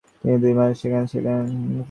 তিনি দুই মাস সেখানে ছিলেন।